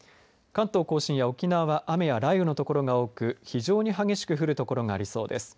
関東甲信や沖縄は雨や雷雨の所が多く非常に激しく降る所がありそうです。